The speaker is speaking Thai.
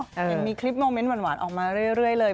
ยังมีคลิปโมเมนต์หวานออกมาเรื่อยเลย